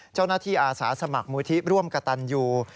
เจ้าหน้าที่อาสาสมัครมูลทรีปร่วมกับตันยู